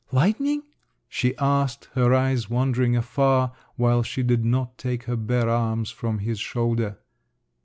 Lightning?" she asked, her eyes wandering afar, while she did not take her bare arms from his shoulder.